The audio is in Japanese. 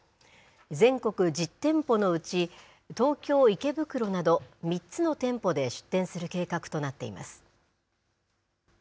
全国１０店舗のうち、東京・池袋など、３つの店舗で出店する計画となっています。